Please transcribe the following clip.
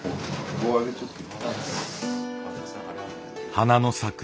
花の咲く